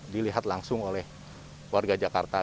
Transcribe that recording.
dilihat langsung oleh warga jakarta